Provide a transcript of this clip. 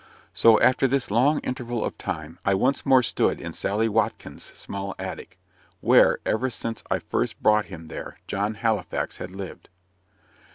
So, after this long interval of time, I once more stood in Sally Watkins' small attic; where, ever since I first brought him there, John Halifax had lived.